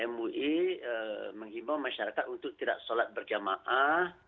mui menghimbau masyarakat untuk tidak sholat berjamaah